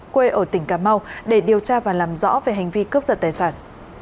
quê ở tỉnh cà mau để điều tra và làm rõ về hành vi cướp giật tài sản